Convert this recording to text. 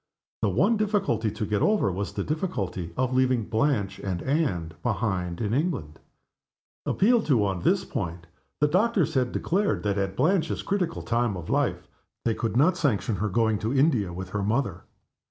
The one difficulty to get over was the difficulty of leaving Blanche and Anne behind in England. Appealed to on this point, the doctors had declared that at Blanche's critical time of life they could not sanction her going to India with her mother.